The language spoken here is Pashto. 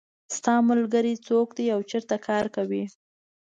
د تا ملګری څوک ده او چېرته کار کوي